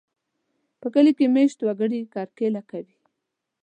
په کلي کې مېشت وګړي کرکېله کوي.